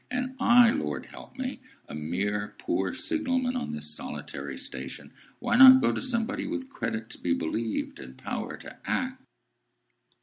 And I, Lord help me! A mere poor signal man on this solitary station! Why not go to somebody with credit to be believed, and power to act?"